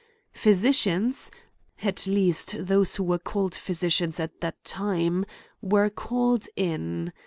Phvsicians, at least those who were called physicians at that time, were called in.